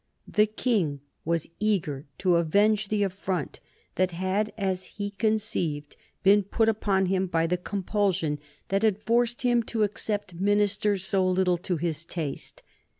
The King was eager to avenge the affront that had, as he conceived, been put upon him by the compulsion that had forced him to accept ministers so little to his taste.